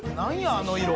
あの色。